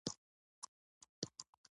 عقل باید د چوپتیا لاره ونیسي.